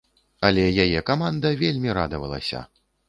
Але яе каманда вельмі радавалася.